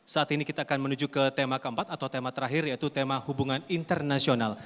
saat ini kita akan menuju ke tema keempat atau tema terakhir yaitu tema hubungan internasional